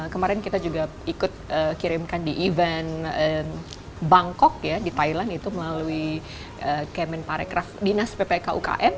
kemarin kita juga ikut kirimkan di event bangkok ya di thailand itu melalui kemen parekraf dinas ppk ukm